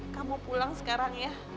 kamu pulang sekarang ya